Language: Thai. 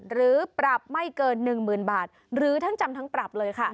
หรือปรับไม่เกิน๑๐๐๐บาทหรือทั้งจำทั้งปรับเลยค่ะ